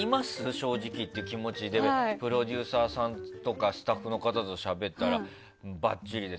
正直っていう気持ちでプロデューサーさんとかスタッフさんとしゃべったらばっちりです。